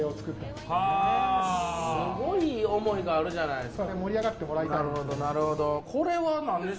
すごい思いがあるじゃないですか。